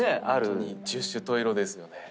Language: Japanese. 十種十色ですよね。